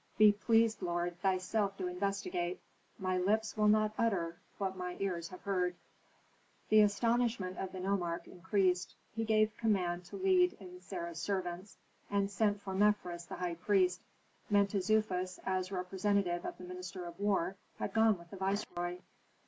"Be pleased, lord, thyself to investigate. My lips will not utter what my ears have heard." The astonishment of the nomarch increased. He gave command to lead in Sarah's servants, and sent for Mefres, the high priest. Mentezufis, as representative of the minister of war, had gone with the viceroy.